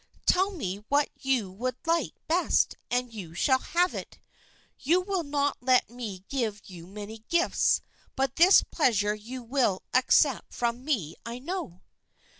Tell me what you would like best and you shall have it. You will not let me give you many gifts, but this pleasure you will accept from me I know."